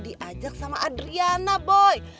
diajak sama adriana boy